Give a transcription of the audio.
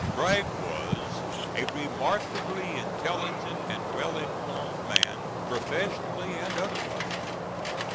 Bragg was a remarkably intelligent and well informed man, professionally and otherwise.